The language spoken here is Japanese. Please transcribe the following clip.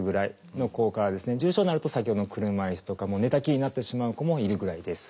重症になると先ほどの車いすとか寝たきりになってしまう子もいるぐらいです。